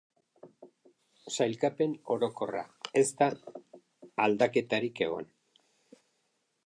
Sailkapen orokorra ez da aldaketarik egon.